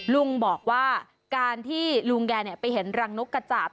ลุงบอกว่าการที่ลุงแกไปเห็นรังนกกระจาด